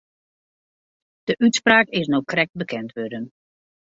De útspraak is no krekt bekend wurden.